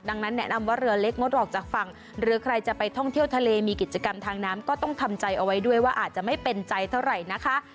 ดังนั้นแนะนำว่าเรือเล็กงดออกจากฝั่งหรือใครจะไปท่องเที่ยวทะเลมีกิจกรรมทางน้ำก็ต้องทำใจเอาไว้ด้วยว่าอาจจะไม่เป็นใจเท่าไหร่นะคะ